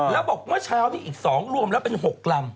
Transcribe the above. แล้วบอกเมื่อเช้านี้อีก๒รวมแล้วเป็น๖ลำ